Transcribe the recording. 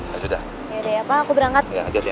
ya udah ya pak aku berangkat